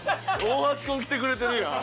大橋君来てくれてるやん。